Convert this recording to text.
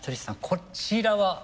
こちらは？